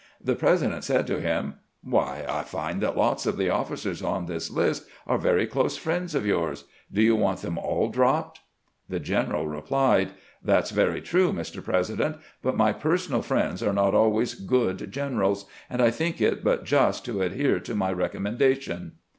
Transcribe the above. The President said to him: " Why, I find that lots of the officers on this list are very close friends of yours ; do you want them all dropped? " The general replied :" That 's very true, Mr. President ; but my personal friends are not always good generals, and I think it but just to adhere to my recommendation."